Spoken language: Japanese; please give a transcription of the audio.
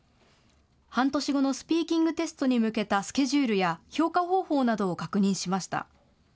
半年後のスピーキングテストに向けたスケジュールや評価方法などを確認しました。